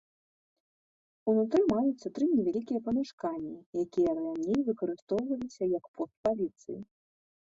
Унутры маюцца тры невялікія памяшканні, якія раней выкарыстоўваліся як пост паліцыі.